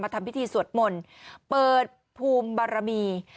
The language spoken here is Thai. มาทำพิธีสวัสดิ์มณเปิดภูมิฑรมี